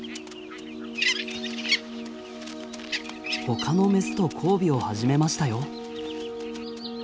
ほかのメスと交尾を始めましたよ。